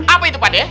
apa itu pade